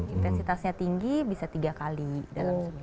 intensitasnya tinggi bisa tiga kali dalam seminggu